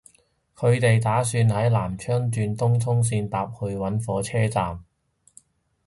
佢哋打算喺南昌轉東涌綫搭去搵火車站